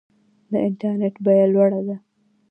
د انټرنیټ بیه لوړه ده؟